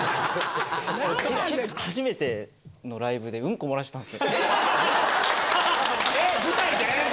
初めてのライブでうんこ漏らしたえっ？